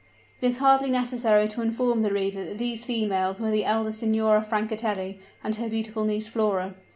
It is hardly necessary to inform the reader that these females were the elder Signora Francatelli and her beautiful niece Flora.